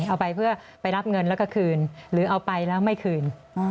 เอาไปเพื่อไปรับเงินแล้วก็คืนหรือเอาไปแล้วไม่คืน